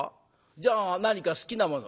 じゃあ何か好きなもの。